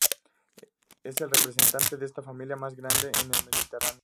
Es el representante de esta familia más grande en el Mediterráneo.